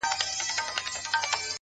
خوني خنجر نه دى چي څوك يې پـټ كــړي ـ